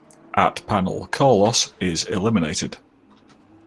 At panel Carlos is eliminated.